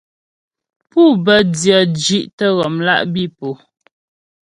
Pû bə́ dyə̂ zhí'tə ghɔmlá' bǐ po.